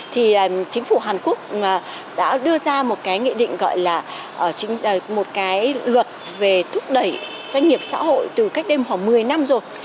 thì chính phủ hàn quốc đã đưa ra một cái nghị định gọi là một cái luật về thúc đẩy doanh nghiệp xã hội từ cách đây khoảng một mươi năm rồi